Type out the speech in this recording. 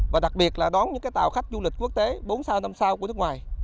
và đặc biệt là đón những tàu khách du lịch quốc tế bốn sao năm sao của nước ngoài